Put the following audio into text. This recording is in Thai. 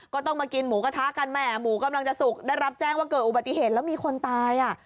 ก็ต้องมากินหมูกระทะกันแหม่หมูกำลังจะสุกได้รับแจ้งว่าเกิดอุบัติเหตุแล้วมีคนตายอ่ะ